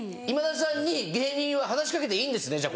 今田さんに芸人は話し掛けていいんですね